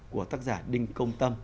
của tác giả đinh công tâm